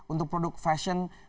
untuk produk fashion